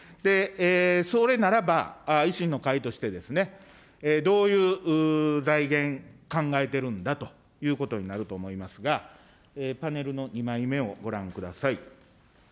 それならば、維新の会として、どういう財源、考えてるんだということになると思いますが、パネルの２枚目をご覧ください。